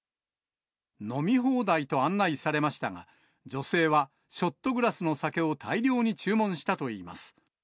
飲み放題と案内されましたが、女性はショットグラスの酒を大量に注文したといいます。